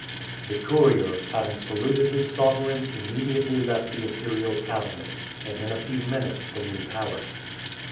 The courier, having saluted his sovereign, immediately left the imperial cabinet, and, in a few minutes, the New Palace.